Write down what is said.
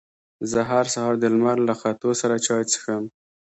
زه هر سهار د لمر له ختو سره چای څښم.